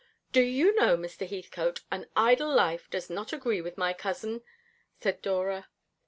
"Do you know, Mr. Heathcote, an idle life does not agree with my cousin," said Dora.